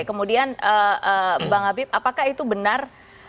kemudian bang habib apakah itu benar